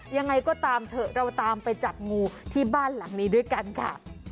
ยังไงก็ตามเถอะเราตามไปจับงูที่บ้านหลังนี้ด้วยกันค่ะ